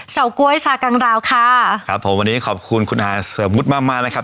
เฉาก๊วยชากังราวค่ะครับผมวันนี้ขอบคุณคุณอาเสมอมุดมาม่านะครับ